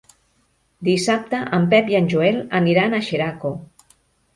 Dissabte en Pep i en Joel aniran a Xeraco.